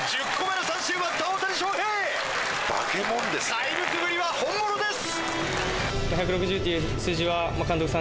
怪物ぶりは本物です！